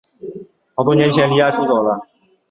好多年前离家出走了